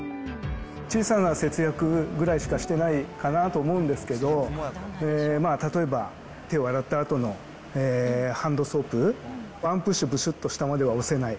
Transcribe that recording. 小さな節約ぐらいしかしてないかなと思うんですけど、例えば手を洗ったあとのハンドソープ、１プッシュぶしゅっと下までは押せない。